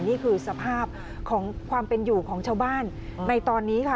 นี่คือสภาพของความเป็นอยู่ของชาวบ้านในตอนนี้ค่ะ